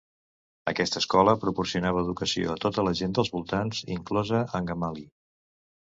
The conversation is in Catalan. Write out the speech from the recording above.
Aquesta escola proporcionava educació a tota la gent dels voltants, inclosa Angamali.